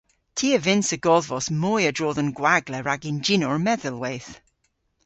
Ty a vynnsa godhvos moy a-dro dhe'n gwagla rag ynjynor medhelweyth.